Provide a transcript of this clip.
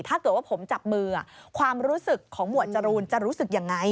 ถ้าเกิดว่าผมจับมือความรู้สึกของหมวดจรูนจะรู้สึกยังไง